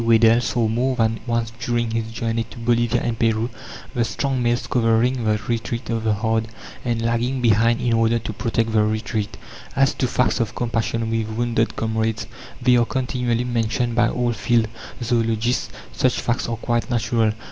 Weddell saw more than once during his journey to Bolivia and Peru, the strong males covering the retreat of the herd and lagging behind in order to protect the retreat. As to facts of compassion with wounded comrades, they are continually mentioned by all field zoologists. Such facts are quite natural.